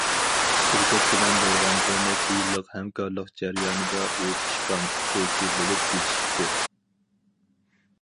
شىركەت بىلەن بولغان بىر نەچچە يىللىق ھەمكارلىق جەريانىدا ئۇ پىشقان ئۇسسۇلچى بولۇپ يېتىشىپتۇ.